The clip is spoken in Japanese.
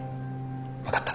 分かった。